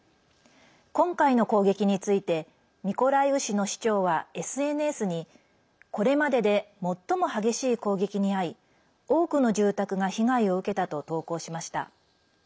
今回の攻撃についてミコライウ市の市長はＳＮＳにこれまでで最も激しい攻撃に遭い多くの住宅が被害を受けたと投稿しました。